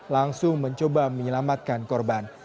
langsung mencoba menyelamatkan korban